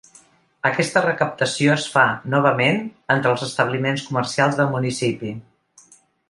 Aquesta recaptació es fa, novament, entre els establiments comercials del municipi.